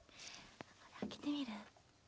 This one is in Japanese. あけてみる？